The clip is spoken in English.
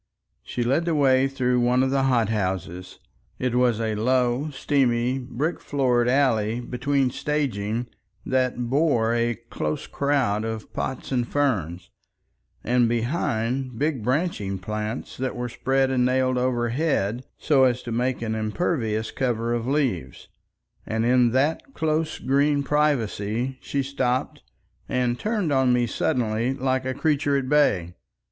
She led the way through one of the hot houses. It was a low, steamy, brick floored alley between staging that bore a close crowd of pots and ferns, and behind big branching plants that were spread and nailed overhead so as to make an impervious cover of leaves, and in that close green privacy she stopped and turned on me suddenly like a creature at bay.